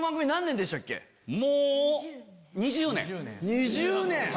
もう。